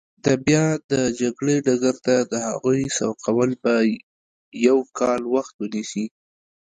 د بیا د جګړې ډګر ته د هغوی سوقول به یو کال وخت ونیسي.